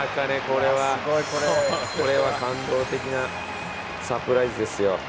「これは感動的なサプライズですよ」